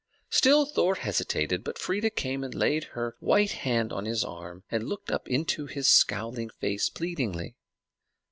Still Thor hesitated; but Freia came and laid her white hand on his arm, and looked up into his scowling face pleadingly.